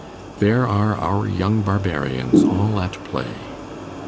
"There are our young barbarians all at play!"